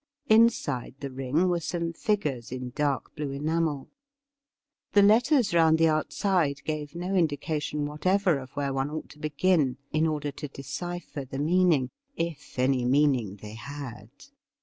Inside the ring were some figures in dark blue enamel. The lettei s round the outside gave no indication whatever of where one ought to begin, in order to decipher the meaning — if any meaning they had.